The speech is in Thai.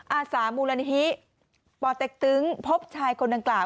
อาสามูลนิธิป่อเต็กตึงพบชายคนดังกล่าว